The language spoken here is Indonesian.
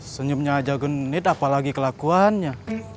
senyumnya aja genit apalagi kelakuannya